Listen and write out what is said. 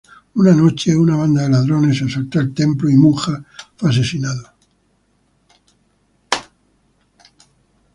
Una noche, una banda de ladrones asaltó el templo y Mun-Ha fue asesinado.